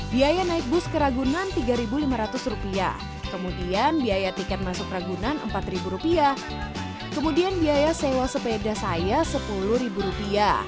biaya naik bus ke ragunan rp tiga lima ratus kemudian biaya tiket masuk ragunan rp empat kemudian biaya sewa sepeda saya rp sepuluh